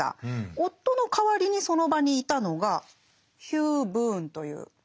夫の代わりにその場にいたのがヒュー・ブーンという物乞い。